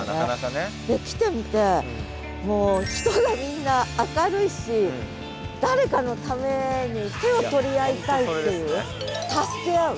来てみてもう人がみんな明るいし誰かのために手を取り合いたいっていう助け合う。